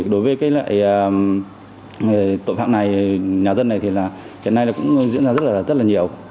đối với tội phạm này nhà dân này thì hiện nay cũng diễn ra rất là nhiều